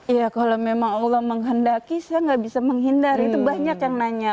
iya kalau memang allah menghendaki saya gak bisa menghindar itu banyak yang nanya